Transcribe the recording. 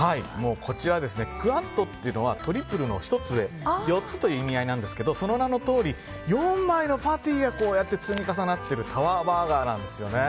こちら、クアッドというのはトリプルの１つ上４つという意味合いなんですけどその名のとおり４枚のパティがこうやって積み重なっているタワーバーガーなんです。